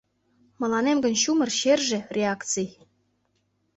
Мыланем гын чумыр черже — реакций.